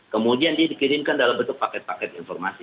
kemudian dia dikirimkan dalam bentuk paket paket informasi